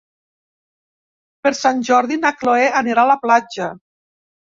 Per Sant Jordi na Chloé anirà a la platja.